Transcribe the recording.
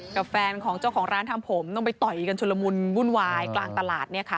กับแฟนของเจ้าของร้านทำผมต้องไปต่อยกันชุดละมุนวุ่นวายกลางตลาด